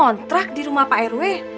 mereka ngontrak di rumah pak rue